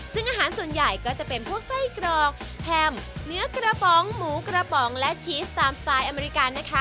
ซึ่งอาหารส่วนใหญ่ก็จะเป็นพวกไส้กรอกแพมเนื้อกระป๋องหมูกระป๋องและชีสตามสไตล์อเมริกานะคะ